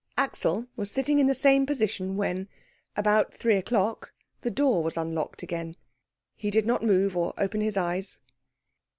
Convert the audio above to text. Axel was sitting in the same position when, about three o'clock, the door was unlocked again. He did not move or open his eyes.